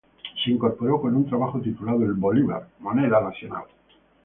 Se incorporó con un trabajo titulado "El bolívar, moneda nacional".